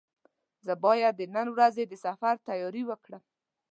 زه باید د نن ورځې د سفر تیاري وکړم.